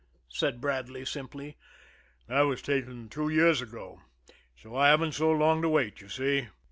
said Bradley simply. "That was taken two years ago so I haven't so long to wait, you see."